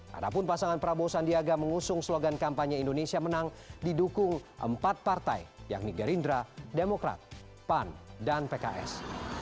padahal pasangan prabowo sandiaga mengusung slogan kampanye indonesia menang didukung empat partai yakni gerindra demokrat pan dan pks